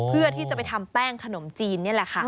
เพื่อที่จะไปทำแป้งขนมจีนนี่แหละค่ะ